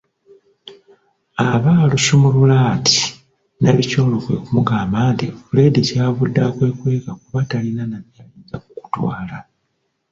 Aba alusumulula ati, Nabikyalo kwe kumugamba nti: “Fred ky’avudde akwekweka kuba talina na gy’ayinza kukutwala! ”